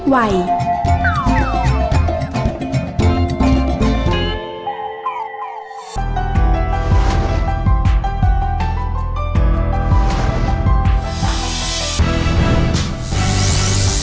เกมต่อชีวิต